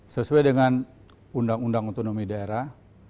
sesuai dengan undang undang otonomi daerah